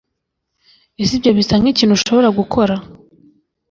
ese ibyo bisa nkikintu ushobora gushaka gukora